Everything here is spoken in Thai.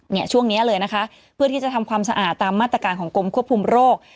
ช่วงนี้เลยนะคะเพื่อที่จะทำความสะอาดตามมาตรการของกรมควบคุมโรค